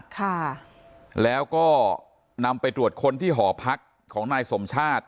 ค่ะแล้วก็นำไปตรวจค้นที่หอพักของนายสมชาติ